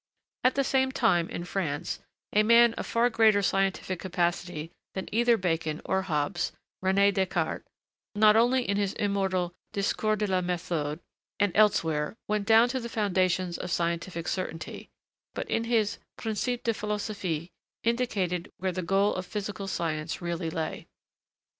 At the same time, in France, a man of far greater scientific capacity than either Bacon or Hobbes, René Descartes, not only in his immortal 'Discours de la Méthode' and elsewhere, went down to the foundations of scientific certainty, but, in his 'Principes de Philosophie,' indicated where the goal of physical science really lay.